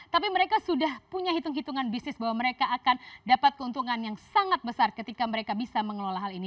tapi mereka sudah punya hitung hitungan bisnis bahwa mereka akan dapat keuntungan yang sangat besar ketika mereka bisa mengelola hal ini